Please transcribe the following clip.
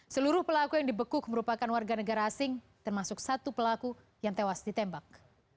seluruh pelaku yang dibekuk merupakan warga negara asing termasuk satu pelaku yang tewas ditembak